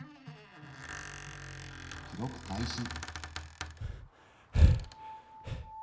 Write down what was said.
記録開始。